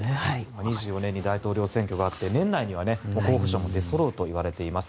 ２４年に大統領選挙があって年内には候補者も出そろうといわれています。